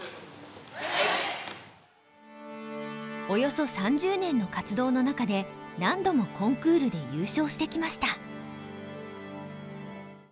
およそ３０年の活動の中で何度もコンクールで優勝してきました。